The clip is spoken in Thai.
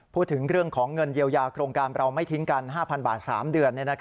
พูดถึงเรื่องของเงินเยียวยาโครงการเราไม่ทิ้งกัน๕๐๐บาท๓เดือน